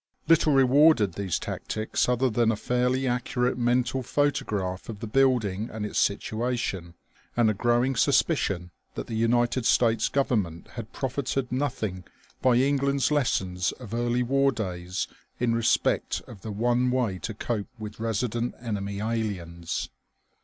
Little rewarded these tactics other than a fairly accurate mental photograph of the building and its situation and a growing suspicion that the United States Government had profited nothing by England's lessons of early war days in respect of the one way to cope with resident enemy aliens.